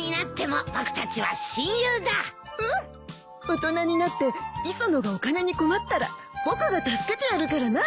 大人になって磯野がお金に困ったら僕が助けてやるからな。